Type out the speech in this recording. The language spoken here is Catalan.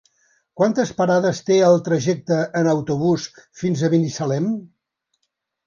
Quantes parades té el trajecte en autobús fins a Binissalem?